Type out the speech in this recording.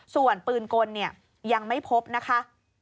ส่วนปืนกลยังไม่พบนะคะ